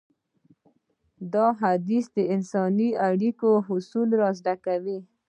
دا حديث د انساني اړيکو اصول رازده کوي.